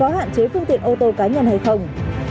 có hạn chế phương tiện ô tô cá nhân hay không